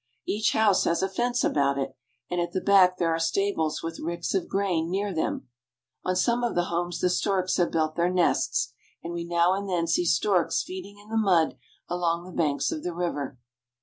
Each house has a fence about it, and at the back there are stables with ricks of grain near them. On some of the houses the storks have built their nests, and we now and then see storks feeding in the mud along the banks of the river.